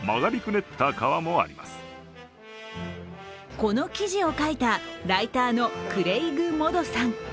この記事を書いたライターのクレイグ・モドさん。